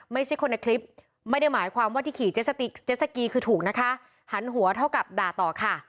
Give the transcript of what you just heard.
ไม่ใช่คนในคลิปไม่ได้หมายความว่าที่ขี่เจสสกีคือถูกนะคะหันหัวเท่ากับด่าต่อค่ะ